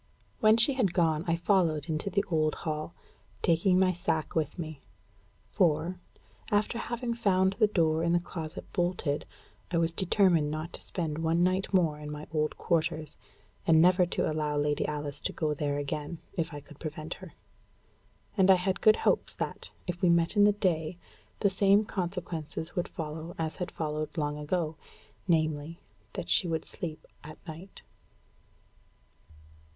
When she had gone, I followed into the old hall, taking my sack with me; for, after having found the door in the closet bolted, I was determined not to spend one night more in my old quarters, and never to allow Lady Alice to go there again, if I could prevent her. And I had good hopes that, if we met in the day, the same consequences would follow as had followed long ago namely, that she would sleep at night.